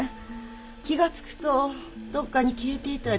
気がつくとどっかに消えていたり。